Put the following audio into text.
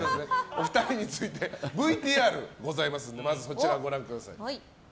お二人についてＶＴＲございますのでご覧ください。